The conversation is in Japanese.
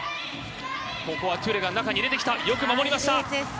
ここはトゥレが中に入れてきた、よく守りました。